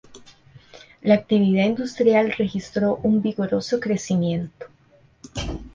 La actividad industrial registró un vigoroso crecimiento.